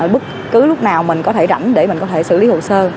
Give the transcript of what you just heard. bất cứ lúc nào mình có thể rẩnh để mình có thể xử lý hồ sơ